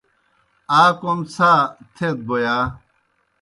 آ کوْم څھا تھیت بوْ یا؟